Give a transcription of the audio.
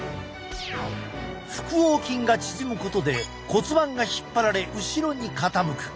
腹横筋が縮むことで骨盤が引っ張られ後ろに傾く。